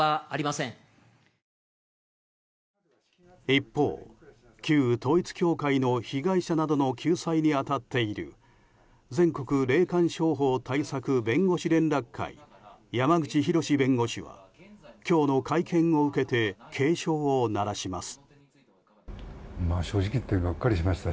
一方、旧統一教会の被害者などの救済に当たっている全国霊感商法対策弁護士連絡会山口広弁護士は今日の会見を受けて警鐘を鳴らします。